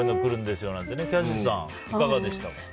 キャシーさん、いかがでしたか。